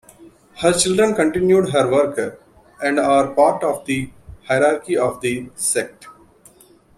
Her children continued her work and are part of the hierarchy of the sect.